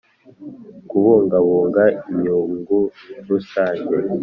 kubungabunga imyungu rusange